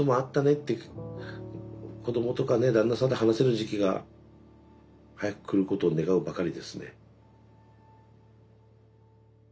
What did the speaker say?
って子どもとかね旦那さんと話せる時期が早く来ることを願うばかりですね。